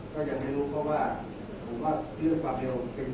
แต่ว่าไม่มีปรากฏว่าถ้าเกิดคนให้ยาที่๓๑